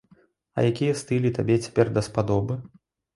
А якія стылі табе цяпер даспадобы?